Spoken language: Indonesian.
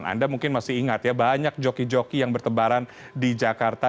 anda mungkin masih ingat ya banyak joki joki yang bertebaran di jakarta